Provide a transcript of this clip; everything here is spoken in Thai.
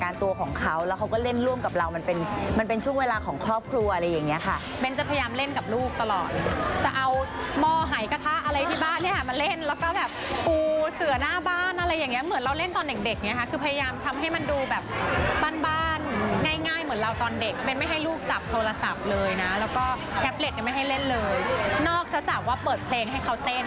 แล้วก็แบบปูเสือหน้าบ้านอะไรอย่างเงี้ยเหมือนเราเล่นตอนเด็กเด็กเนี้ยค่ะคือพยายามทำให้มันดูแบบบ้านบ้านง่ายง่ายเหมือนเราตอนเด็กมันไม่ให้ลูกจับโทรศัพท์เลยน่ะแล้วก็แท็บเล็ตยังไม่ให้เล่นเลยนอกแสดงว่าเปิดเพลงให้เขาเต้น